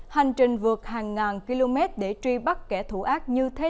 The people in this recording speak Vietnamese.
hành trình vượt hàng ngàn km để truy bắt kẻ thủ ác như thế